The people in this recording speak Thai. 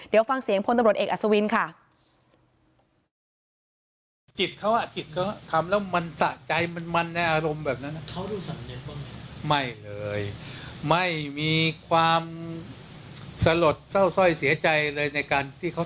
เดี๋ยวฟังเสียงพรรดอัศวินค่ะ